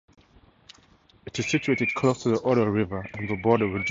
It is situated close to the Oder river and the border with Germany.